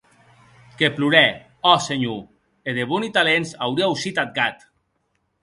Que plorè, òc, senhor, e de boni talents auria aucit ath gat.